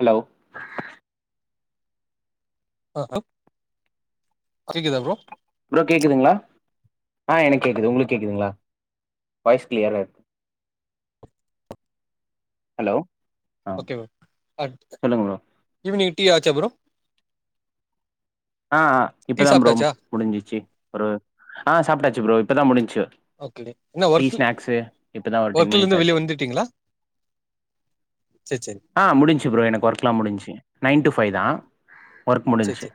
Hello ஆஹா கேக்குதா bro bro கேட்குதுங்ளா ஆ எனக்கு கேட்குது உங்களுக்கு கேட்குதுங்களா வாய்ஸ் கிளியரா இருக் ஹலோ ஓகே ப்ரோ ஆ சொல்லுங்க ப்ரோ ஈவினிங் டீ ஆச்ச ப்ரோ ஆ ஆ இப்ப டீ தா ப்ரோ சாப்ட்டாச்சா முடிஞ்சிச்சு ஒரு ஆ சாப்பிட்டாச்சு ப்ரோ இப்ப தா முடிஞ்சிச்சு ஓகே இன்னு ஒர்க் ஒரு டென் ஒர்க்கல மினிட்ஸ் இருந்து வெளிய ஆச்சு வந்துட்டீங்களா சேர் சேரி ஆ முடிஞ்சு ப்ரோ எனக்கு ஒர்க் எல்லா முடிஞ்சு நைன் டு ஃபைவ் தா ஒர்க் சேர் முடிஞ்சு சேரி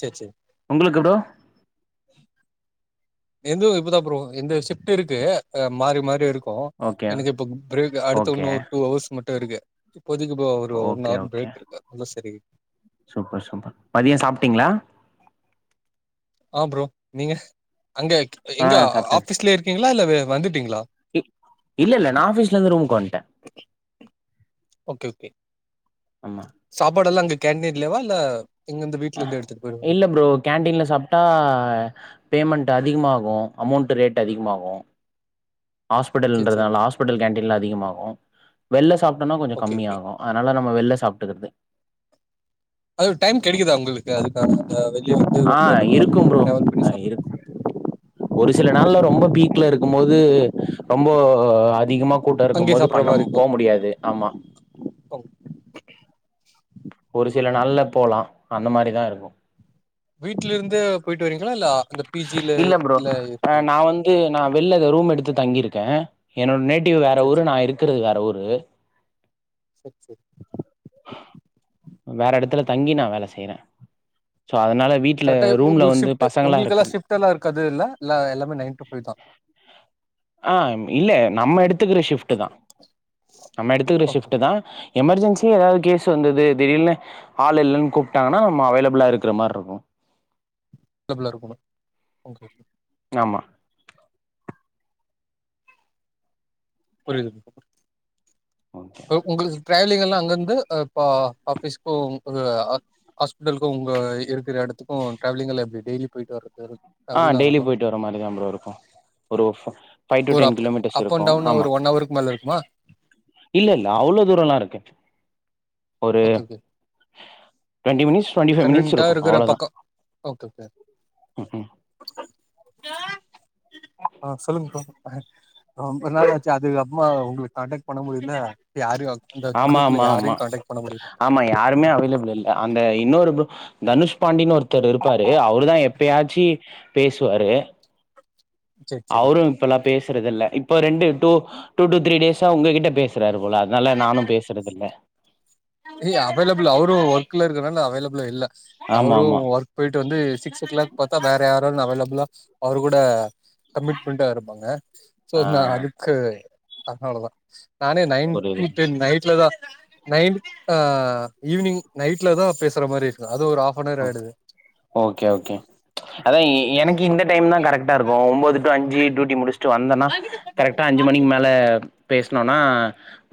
சேர் சேரி உங்களுக்கு ப்ரோ என்து இப்ப தா ப்ரோ என்து ஷிப்ட் இருக்கு ஆ மாறி மாறி இருக் கு ஓகே எனக்கு இப்ப பிரேக் அடுத்த ஓகே ஒன்னு ஒரு டூ ஹர்ஸ்சு மட்டு இருக்கு இப்போதைக்கு ப்ரோ ஒரு one okay hour okay break இருக்கு அது தா சரி சூப்பர் சூப்பர் மதியம் சாப்பிட்டீங்களா ஆ ப்ரோ நீங்க அங்க ஆ எங்க ஆபீஸ்லய இருக்கீங்களா இல்ல ஆ வந்துட்டீங்களா இப் இல்ல இல்ல நா ஆபீஸ்ல இருந்து ரூமுக்கு வன்டே ஓகே ஓகே ஆமா சாப்பாடு எல்லா அங்க கேண்டீன்லே வா இல்ல இங்க இருந்து வீட்ல ஆ இருந்து எடுத்துட்டு போயிருவீங்க இல்ல ப்ரோ கேண்டடீனில சாப்பிட்டா பேமெண்ட் அதிகமாகும் அமௌண்ட்டு ரேட் அதிகமாகும் ஹாஸ்பிட்டல் சேரி சேரி இன்றதுனால ஹாஸ்பிட்டல் கேண்டீனிலா அதிகமாகு வெளிய சாப்பிட்டன்னா கொஞ்ச ஓகே ஓகே கம்மியாகு அதனால நம்ப வெளிய சாப்பிட்டுக்கறது அது டைம் கிடைக்கு தா உங்களுக்கு அதுக்கான ஆ வெளிய வந்து ஆ ரொம்ப இருக்கும் நேர ப்ரோ டிராவல் பண்ணி ஆ சாப் இருக் ஒரு சில நாள்ல ரொம்ப பீக்ல இருக்கும் போது ரொம்பே அதிகமா கூட்டம் இருக்கும் அங்கயே போது சாப்புட்ற பண்ண மாரி போ இருக்கு முடியாது ஆமா ஒரு சில நாள்ல போலா அந்த மாறி தா இருக்கும் வீட்டுல இருந்தே போயிட்டு வரீங்களா இல்ல ஆ அந்த பி ஜி ல இல்ல இருக்கீங்க ட்டு நா வெள்ல ரூம் எடுத்து தங்கிருக்கே என்னோட நேட்டிவ் வேற சேரி ஊரு சேரி நா இருக்குறது வேற ஊரு சேர் சேரி வேற இடத்துல தங்கி நா வேலை செய்யிறே சோ அதனால வீட் கரெக்டா உங்களுக்கு ஷிப்ட்டு உங்களுக்கு எல்லா ஷிப்டல்லா இருக்கதுல இல்ல எல்லாமே நைன் டு ஃபைவ் தா ஆ இல்ல நம்ம எடுத்துக்கிற ஷிஃப்ட்டு தா நம்ம எடுத்துக்கிற ஓகே ஷிப்ட்டு தா எமர்ஜென்சிய ஏதாவது கேஸ்சு வந்தது திடீர்னு ஆள் இல்லன்னு கூப்ட்டாங்கன்னா நம்ப அவைலபில்லா இருக்கற மாறி இருக்கும் தொடர்புல இருக்கணு ஓகே ஓகே ஆமா புரியுது ப்ரோ ஆம் ப்ரோ உங்களுக்கு டிராவலிங் எல்லா அங்க இருந்து ஆ இப்ப ஆஃபீஸ்சுக்கு உங் உங்கள ஆ ஹாஸ்பிட்டலுக்கு உங்க இருக்கிற இடத்துக்கு டிராவலி்ங்கலா எப்டி டெய்லி போயிட்டு வரதுக் ஆ டெய்லி போயிட்டு வர மாறி தா ப்ரோ இருக்கும் ஒரு ஃபை ஃபைவ் டு ஒரு ten up kilometres up and இருக்கும் டவுன் ஆமா ஒரு ஒன் ஹவருக்கு மேல இருக்குமா இல்லல்ல அவ்ளோ தூர எலா இருக்கு okay okay twenty minutes twenty five minutes கன்வீனியன்டா இருக்கும் இருக்கிற அவ்ளோ தா பக்கோ ஓகே ஓகே ம் ம் வேற ஏதாச்சு ஆ சொல்லுங் ப்ரோ அ ரொம்ப நாள் ஆச்சு அதுக்கப்மா உங்களுக்கு கான்டெக்ட் பண்ண முடியல யாரு இந்த ஆமா குரூப்ல ஆமா யாரையு ஆமா காண்டெக்ட் பண்ண முடில ஆமா யாருமே அவைலபிள் இல்ல அந்த இன்னொரு போ தனுஷ் பாண்டின் ஒருத்தர் இருப்பாரு அவரு தா எப்பயாச்சு பேசுவாரு சேரி சேரி அவுரு இப்பல்லா பேசுறது இல்ல இப்ப ரெண்டு டூ டூ டூ த்ரீ டேஸா உங்ககிட்ட பேசு ராறு போல அதனால நானு பேசுறது இல்ல இல்ல அவைலபிள் அவரும் ஒர்க்ல இருக்கறன்னால அவைலபிள் இல்ல ஆமா அவரும் ஆமா ஒர்க் போயிட்டு வந்து சிக்ஸ் ஓ கிளாக் பாத்தா வேற யாராலு அவைலபிளா அவரு கூட கமிட்மெண்டா இருப்பாங்க சோ ஆ நா அதுக்கு அதனாலதா நானே நைன் புரியுது டு நைட்ல தா நைட் ஆ ஈவினிங் நைட்ல தா பேசுற மாரி இருக்கு அது ஒரு ஆஃப் னார் ஆயிடுது ஓகே ஓகே அதா எனக்கு இந்த டைம் தா கரெக்டா இருக் அ ஒம்போது டு அஞ்சு டியூட்டி முடிச்சுட்டு வந்தன்னா கரெக்டா அஞ்சு மணிக்கு மேல பேசனோனா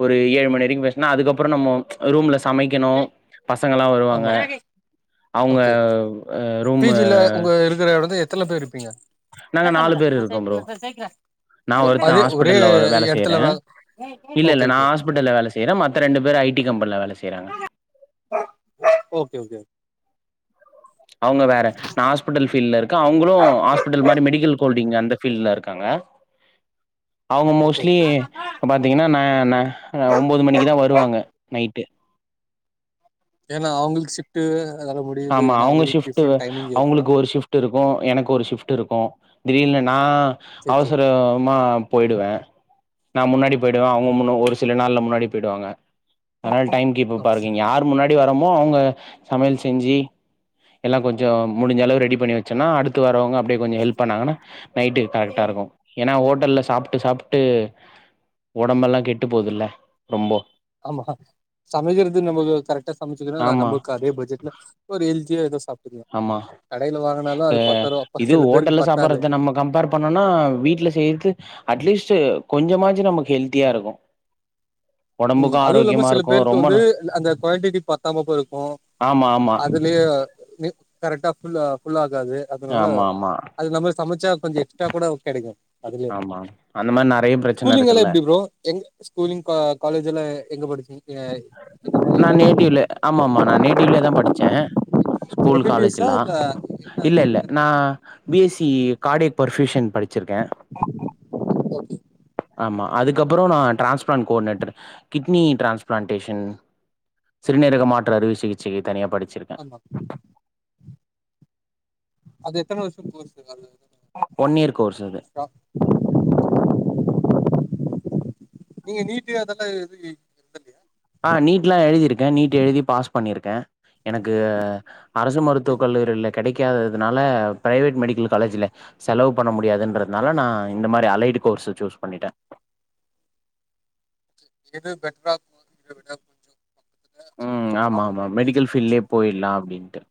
ஒரு ஏழு மணி வரைக்கு பேசுனா அதுக்கப்புறோ நம்ம ரூம்ல சமைக்கணு பசங்கல்லா வருவாங்க ஆமா அவங்க ஓகே ரூம் பிஜில உங்க இருக்கிற எடத்து எத்தன பேர் இருப்பீங்க நாங்க நாலு பேர் இருக்கோ ப்ரோ [unintelligible] நா ஒருத்த அதே ஒரே ஹாஸ்பிட்டல்ல வேல செய்யற எடத்துல வே ஓகே இல்லல்ல நா ஓகே ஹாஸ்பிட்டல்ல வேல செய் ற மத்த ரெண்டு பேரு ஐ டி கம்பென்ல வேல செய்றாங்க ஓகே ஓகே அவுங்க வேற நா ஹாஸ்பிடல் ஃபீல்ல இருக்க அவுங்களும் ஹாஸ்பிட்டல் மாரி மெடிக்கல் கோல்டிங் அந்த ஃபீல்ட்ல இருக்காங்க அவுங்க ஓகே மோஸ்ட்லி இப்ப பாத்திங்கன்னா ந ந ஒம்போது மணிக்கு தா வருவாங்க நைட்டு ஏனா அவுங்களுக்கு ஷிப்ட்டு அதனால முடியுது ஆமா ஏனா அவுங்களுக்கு டிஃப்ரெண்ட் டைமிங் இருக்கு ட்டு இருக்கு எனக்கு ஒரு ஷிஃப்ட்டு இருக்கு திடீர்னு நா சேரி சேரி அவசரமா போயிடுவ நா முன்னாடி போயிடுவ அவுங்க முன்ன ஒரு சில நாள்ல முன்னாடி போயிடுவாங்க அதனால டைம் கீப்பப்பா ஓகே இருக்கு இங்க யார் முன்னாடி வரமோ அவுங்க சமையல் செஞ்சு எல்லா கொஞ்சோ முடிஞ்ச அளவு ரெடி பண்ணி வச்சோன்னா அடுத்து வரோவுங்க அப்டே கொஞ்சோ ஹெல்ப் பண்ணாங்கன்னா நைட்டு கரெக்டா இருக்கு ஏனா ஹோட்டல்ல சாப்ட்டு சாப்ட்டு ஒடம்பெல்லா கெட்டு போதுல்ல ரொம்போ ஆமா சமைக்கறது நமக்கு கரெக்டா சமைச்சதுன்னா ஆமா நமக்கு அதே ப்ட்ஜெட்ல ஒரு ஏதோ சாப்ட்டுங்க ஆமா கடையில வாங்கனாலு அது அ பத்தாரூவா அப்பா இது சில ஹோட்டல்ல பேருக்கு பத்தாது சாப்பறத நம்ம கம்பேர் பண்ணோனா வீட்ல செய்றக்கு அட்லீஸ்ட்டு கொஞ்சமாச்சு நமக்கு ஹெல்தியா இருக்கு ஒடம்புக்கு ம் அதுவு இல்லாம ஆரோக்கியமா சில இருக்கு பேருக்கு ரொம்ப வந்து ந அந்த குவான்டிட்டி பத்தாம்ம போயிருகு ஆமா ஆமா அது [unintelligible] கரெக்டா ஃபுல் ஃபுல் ஆகாது அதனால ஆமா ஆமா அது நம்மளுக்கு சமைச்சா கொஞ்சோ எக்ஸ்ட்ரா கூட கெடைக்கு அதுலயே ஆமா அந்த மாரி நெறைய பிரச்சன ஸ்கூலிங் எல்லா இருக்குல்ல எப்டி ப்ரோ எங்க ஸ்கூலிங் காலேஜ் எல்லா எங்க படிச்சிங்க நா நேட்டிவ்ல ஆமா ஆமா நா நேட்டிவ்லயே தா படிச்சே school M B B S ஆ காலேஜ்லா இல்ல என்ன இல்ல இல்ல டெட் எல்லா நா அந்த மாரியா B S C cardiac perfusion படிச்சிருக்கே ஓகே ஆமா அதுக்கப்றோ நா ட்ரான்ஸ்பிளான்ட் கோனேட்டர் கிட்னி ட்ரான்ஸ்பிளான்டேஷன் சிறுநீரக மாற்று அறுவை சிகிச்சைக்கு தனியா படிச்சிருக் ஆமா அது எத்தன வர்ஷோ கோர்சு அது இயர் கோர்ஸ் அது. நீங்க நீட்டு அதெல்லாம் எது எழுதலையா ஆ நீட்லா எழுதிருக்கே நீட் எழுதி பாஸ் பண்ணிருக்க எனக்கு அரசு மருத்துவக் சேரி கல்லூரில கெடைக்காததுனால பிரைவேட் மெடிக்கல் காலேஜில செலவு பண்ண முடியாதுன்றனால நா இந்த மாரி அலைடு கோர்ஸ்ச சூஸ் பண்ணிட்ட எது பெட்ரா [unintelligible] ம் ஆமா ஆமா மெடிக்கல் ஃபீல்டலே போய்ட்லா அப்டின்ட்டு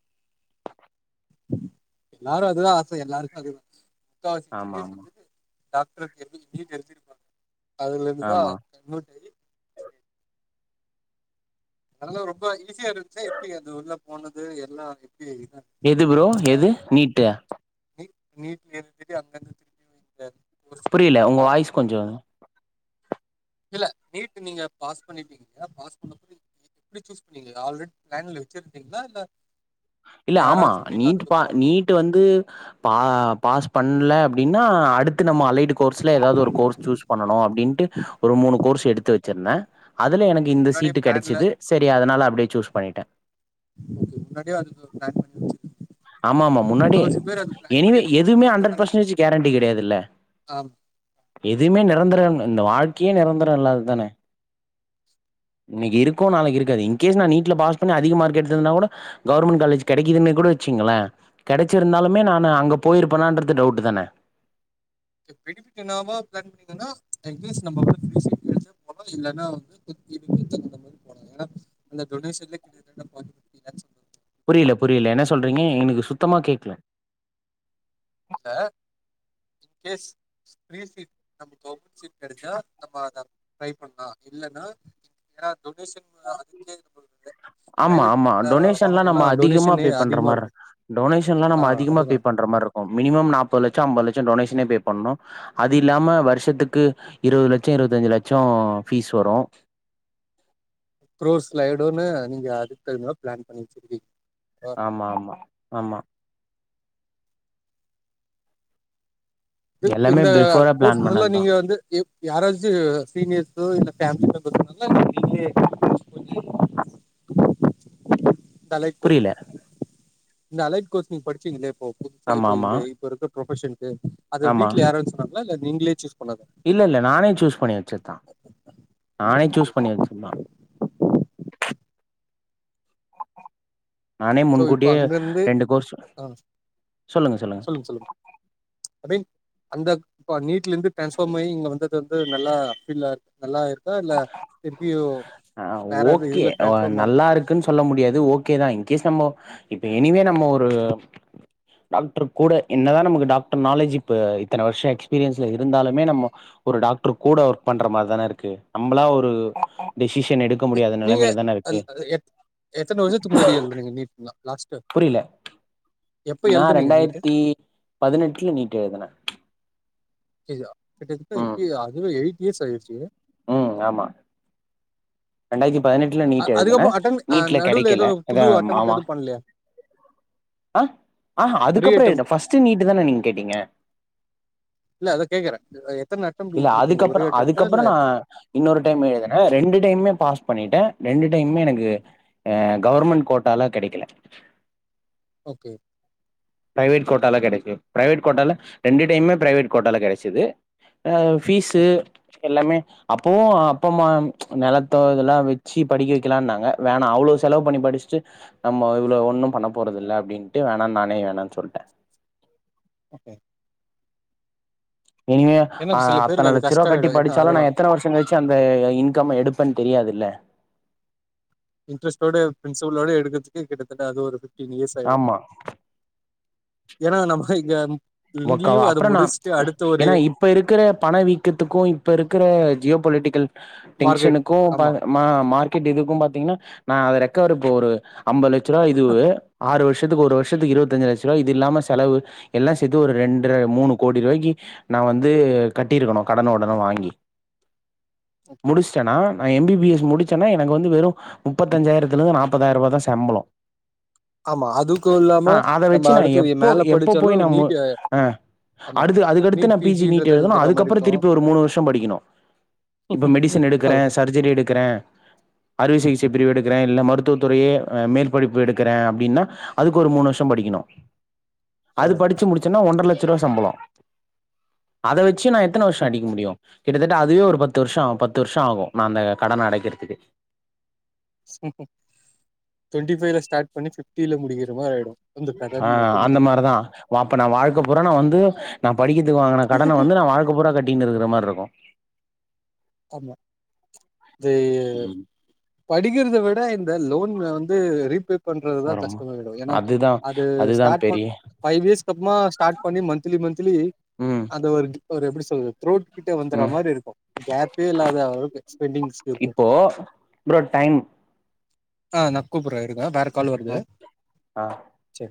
எல்லாரு அதுதா ஆச எல்லாருக்கு அதுதா முக்காவா ஆமாமா. ஆமா. [unintelligible] டாக்ட்ருக் எப்டி நீட் எதிருப்பாங்க அதுலலேர்ந்துதா ஆமா. கன்வெர்ட் ஆயி அனால ரொம்ப ஈஸியா இருந்துச்சா எப்டி அந்த உள்ள போனது எல்லா எப்டி இதா எது ப்ரோ எது நீட்டா நீட் நீட் எழுதிட்டு அங்கேந்து திருப்பி [unintelligible] புரியல உங்க வந்ததெல்லா வாய்ஸ் கொஞ்சோ இல்ல நீட்டு நீங்க பாஸ் பண்ணிட்டீங்ளா பாஸ் பண்ண [unintelligible] எப்டி சூஸ் பண்ணீங்க ஆல்ரடி பிளான்ல வச்சிருந்தீங்களா இல்ல இல்ல ஆமா யாராச்சு உங்களுக்கு நீட்டு பா அதுக்கப்புறமா நீட் ட்டு வந்து பா பாஸ் பண்ணல அப்டின்னா அடுத்து நம்ம அலைய்டு கோர்ஸ்ல ஏதாது ஒரு கோர்ஸ் சூஸ் பண்ணனு அப்டின்ட்டு ஒரு மூணு கோர்ஸ் எடுத்து வச்சிருந்த அதுல எனக்கு ஓகே இந்த முன்னாடியே சீட்டு பிளான்ல கெடச்சிது சரி அதனால அப்டியே சூஸ் பண்ணிட்ட ஓகே முன்னாடியே அதுக்கு பிளான் பண்ணி வச்சி ஆமா ஆமா முன்னாடே எனிவே பண்ணிருக்க மாட்டாங்க எதுவுமே ஹண்ட்ரட் பர்சன்டேஜ் கேரண்டி கெடையாதுல்ல ஆ எதுமே நிரந்தரம் இந்த வாழ்க்கையே நிரந்தரோ இல்லாதது தான இன்னக்கி இருக்கு நாளைக்கு இருக்காது இன்கேஸ் நா நீட்ல பாஸ் பண்ணி அதிக மார்க் எடுத்துர்ந்தா கூட கவுர்மெண்ட் காலேஜ் கெடைக்குதுன்னே கூட வச்சீங்ளே கெடச்சிருந்தாலுமே நானு அங்க போயிருப்பனான்றது டவுட்டு தான பெனிஃபிட்டு நாம [unintelligible] இதுன்னா இன்கேஸ் நம்ப விட [unintelligible] கெடச்சா போலா இல்லன்னா [unintelligible] [unintelligible] அந்த டோனேஷன்லே [unintelligible] புரில புரில என்ன சொல்றிங்க எனக்கு சுத்தமா கேக்ல அ பேசு ஃபிரி சீட் நமக் கவர்மண்ட் சீட் கெடைச்சா நம்ம அத ட்ரை பண்லா இல்லன்னா ஏனா டொனேஷன் அதுக்கே [unintelligible] ஆமா ஆமா ப்ரைவேட்ல டொனேஷன்லா நம்ம வாங்கணும்னா அதிகமா டொனேஷனே பே பண்ற அதிகமாக மார்ர இருக்கும் டொனேஷன்லா ஆ நம்ம அதிகமா பே அதுதான் பண்ற மார் க்கு மினிமம் நாப்பது லட்சோ ஐம்பது லட்சோ டொனேஷனே பே பண்ணு அது இல்லா வர்ஷத்துக்கு இருவது லட்சோ இருவத்தஞ்சு லட்சோ பீஸ் வரு ப்ரோஸ் லைடோன்னு நீங்க அடுத்த என்னவோ பிளான் பண்ணி வச்சிரு ஆமா ஆமா ஆமா து எல்லாமே இந்த பிஃபோரா பிளான் கோர்சஸ்லல்லா பண்ணதுதா நீங்க வந்து யாராச்சு சீனியர்ஸோ இல்ல ஃபேமிலி மெம்பர்ஸ் வந்தாங்ளா இல்ல நீங்ளே ஆ இந்த அலைட் கோர்ஸ் புரியல இந்த அலைட் கோர்ஸ் நீங்க படிச்சீங்கள இப்போ புதுசா ஆமா இப்ப ஆமா இந்த இப்ப இருக்க ப்ரொபஷனுக்கு அத வீட்ல யாரவ்து சொன்னாங்களா இல்ல நீங்களே சூஸ் பண்ணதா இல்லல்ல நானே சூஸ் பண்ணி வச்சதா நானே ஓகே சூஸ் பண்ணி வச்சதா நானே சோ இப்ப முன்கூட்டியே அங்கந்து ரெண்டு கோர்ஸ் ஆ சொல்லுங்க சொல்லுங்க ஐ மீன் அந்த ப நீட்ல இருந்து டிரான்ஸ்பார்ம் ஆயி இங்க வந்து போட்டு நல்லா பீல்லா நல்லா இருக் இதல்ல திருப்பியு வேறது இதுல டிரான்ஸ்பார்ம் ஆகு க்குன் சொல்ல முடியாது ஓகேதா இன் கேஸ் நம்ம இப்ப இனிமே நம்ம ஒரு டாக்டர் கூட என்னதா நமக்கு டாக்டர் நாலேஜ் இப்ப இத்தன வருஷோ எக்ஸ்பீரியன்ஸ்ல இருந்தாலுமே நம்ம ஒரு டாக்டர் கூட ஒர்க் பண்ற மாரி தானே இருக்கு நம்மளா ஒரு டிசிஷன் எடுத் நீங்க அது அ எத் எத்தன வருஷத்துக்கு முன்னாடி எழுதுனீங்க நீட்டு லா லாஸ்ட் டைம் புரில நா நீட்டு ரெண்டாயிரத்தி பதினெட்டுல நீட்டு எழுதுனே கியா கிட்டத்தட்ட ம் எட் அதுவே எயிட் இயர்ஸ் ஆயிடுச்சு ம் ஆமா ரெண்டாயிரத்தி பதினெட்டுல [inaudible] அ நீட் எழுதுன அதுக்கப்போ அட்டம் அ நீட்ல நடுல கெடைக்கல எதுவு புது அட்டம்ட் எதும் பண்லையா [inaudible] அ ஆஹ அதுக்கப்றோ எழுதல ஃபர்ஸ்ட் நீட்டு தான நீங்க கேட்டீங்க இல்ல அதா கேக்குறே எ எத்தன அ இல்ல அதுக்கப்பறோ அதுக்கப்பறோ நா இன்னொரு டைம் எழுதுனே ரெண்டு டைமுமே பாஸ் பண்ணிட்டே ரெண்டு டைமுமே எனக்கு அ கவர்மெண்ட் கோட்டாலா கெடைக்கல ஓகே பிரைவேட் கோட்டாலா கெடைக்கு பிரைவேட் கோட்டால ரெண்டு டைமுமே பிரைவேட் கோட்டால கெடச்சுது ஆ ஃபீஸு ஓகே எல்லாமே அப்போவு அப்ப அம்மா நெலத்த இதெல்லா வச்சு படிக்க வைக்கலான்னாங்க வேணா அவ்ளோ செலவு பண்ணி படிச்சுட்டு நம்ம இவ்ளோ ஒன்னு பண்ண போறதில்ல அப்டின்ட்டு வேணானு நானே வேணான் சொல்ட்டே ஓகே இனிமே ஏன்னா அ சில பேருக்கு அத்தன அது லட்ச ரூவா கஷ்டம் கட்டி ஆயிடும் ஏன்னா படிச்சாலு நா அதெல்லாம் எத்தன வருஷ் ஷோங் கழிச்சு அந்த இன்கம்ம எடுப்பன் தெரியாதுல்ல இன்ட்ரஸ்டோட பிரின்சிபலோட எடுக்கத்துக்கு கிட்டத்தட்ட அது ஒரு ஃபிஃப்டீன் இயர்ஸ் ஆயிடு ஆமா ஏனா நமக்தா இங்க மொக்காவா இங்கேயும் அதை அப்புறனா முடிச்சுட்டு அடுத்த ஒரு ஏனா இப்ப இருக்குற பணவீக்கத்துக்கு இப்ப இருக்குற ஜியோ பொலிட்டிக்கல் மார்க்கெட் டென்ஷனுக்கும் ஆமா பாக மா மார்க்கெட் இதுக்கும் பாத்தீங்கன்னா நா அத ரெக்கவர் இப்போ ஒரு அம்பதுலட்சரூவா இதுவு ஆறு வருஷத்துக்கு ஒரு வருஷத்துக்கு இருவத்தஞ்சு லட்சரூபா இது இல்லாம செலவு எல்லா சே த்து ஒரு ரெண்ற மூணு கோடி ரூவாய்க்கு நா வந்து கட்டிருக்கணு கடன ஒடன வாங்கி ஓகே முடிச்ட்டன்னா நா எம் பி பி எஸ் முடிச்சன்னா எனக்கு வந்து வெறு முப்பத்தஞ்சாயிரத்துலருந்து நாப்பதாயிருபா தா செம்பளொ ஆமா அதுக்கும் இல்லாம ஆ அத நம்ம வச்சு நா அடுத்து எப்போ மேல எப்போ போய் படிச்சாலும் நா மு நீட் ஆ ஆமா அடுத்து அதுக்கடுத்து நீட் நா பி ஜி நீட் பிஜின்றது எழுதனு எழுதுற மாதிரி அதுக்கப்றோ திருப்பி இருக்கும் ஒரு மூணு வருஷொ படிக்கணு இப்போ மெடிசன் எடுக்குறே சர்ஜரி எடுக்குறே அறுவை சிகிச்சை பிரிவு எடுக்குறே இல்ல மருத்துவத்துறையே மேல்படிப்பு எடுக்குறே அப்டின்னா அதுக்கு ஒரு மூனு வர்ஷோ படிக்கிணு அது ஆமா படுச்சு முடுச்சன்னா ஒன்டற லெட்ச ருவா சம்பளொ அத வச்சு நா எத்தன வர்ஷோ அடிக்க முடியு கிட்டத்தட்ட அதுவே ஒரு பத்து வர்ஷோ ஆ பத்து வர்ஷோ ஆகு நா அந்த கடன அடைக்றதுக்கெ டுவெண்ட்டி ஃபைவ்ல ஸ்டார்ட் பண்ணி ஃபிப்டில முடிக்கிற மாரி ஆயிரு ஆ அந்த மாரி தா அப்ப நா வாழ்க்க பூரா நா வந்து நா படிக்கெத்துக்கு வாங்குன கடன வந்து நா வாழ்க பூரா கட்டின்னு இருக்குற மார் இருக்கு ஆமா தே ம் படிக்கிறத விட இந்த லோன் வந்து ரீபே பண்றதுதா ஆமா. கஷ்டமா [unintelligible] ஏன்னா அதுதா அது அதுதா ஸ்டார்ட் பண் பெரிய ஃபைவ் இயர்ஸ்க் அப்பொமா ஸ்டார்ட் பண்ணி மந்த்லி மந்த்லி ம் அது ஒரு ஒரு எப்டி சொல்றது த்ரோட் கிட்ட வந்துற ம் மாரி இருக்கு கேப் பே இல்லாத அளவுக்கு எக்ஸ் பெண்டிங் இருக்கு இப்போ ப்ரோ டைம் அ நா கூப்புட்றே இருங்க வேற கால் வருது ம் ஆ சரி